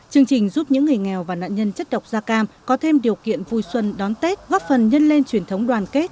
chương trình giúp những người nghèo và nạn nhân chất độc da cam có thêm điều kiện vui xuân đón tết góp phần nhân lên truyền thống đoàn kết